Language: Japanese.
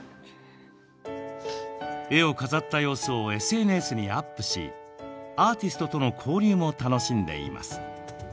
絵を飾った様子をＳＮＳにアップしアーティストとの交流も楽しんでいます。